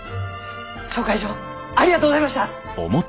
紹介状ありがとうございました！